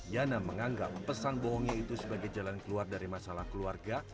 yana menganggap pesan bohongnya itu sebagai jalan keluar dari masalah keluarga